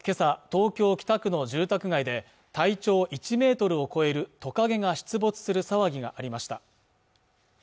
東京北区の住宅街で体長１Ｍを超えるトカゲが出没する騒ぎがありました